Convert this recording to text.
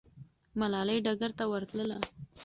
ملالۍ ډګر ته ورتله.